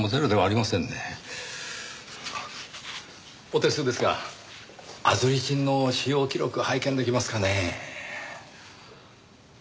お手数ですがアズリチンの使用記録拝見できますかねぇ？